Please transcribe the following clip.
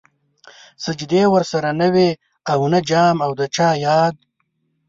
سجدې ورسره نه وې او نه جام او د چا ياد